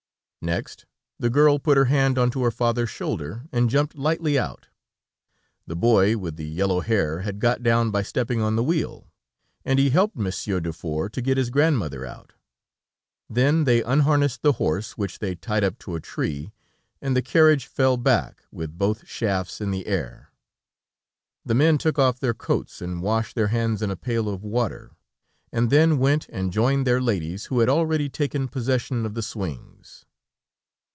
Next, the girl put her hand onto her father's shoulder, and jumped lightly out. The boy with the yellow hair had got down by stepping on the wheel, and he helped Monsieur Dufour to get his grandmother out. Then they unharnessed the horse, which they tied up to a tree, and the carriage fell back, with both shafts in the air. The men took off their coats, and washed their hands in a pail of water, and then went and joined their ladies who had already taken possession of the swings.